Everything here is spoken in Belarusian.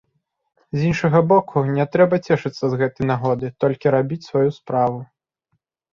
З іншага боку, не трэба цешыцца з гэтай нагоды, толькі рабіць сваю справу.